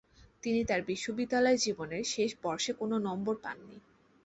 তিনি তার বিশ্ববিদ্যালয় জীবনের শেষ বর্ষে কোন নম্বর পাননি।